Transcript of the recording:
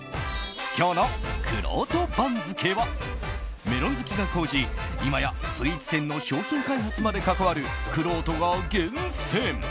今日のくろうと番付はメロン好きが高じ今やスイーツ店の商品開発までかかわるくろうとが厳選。